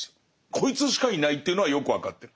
こいつしかいないっていうのはよく分かってる。